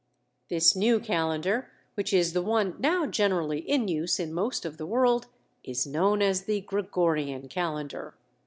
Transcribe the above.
This new calendar, which is the one now generally in use in most of the world, is known as the Gregorian calendar.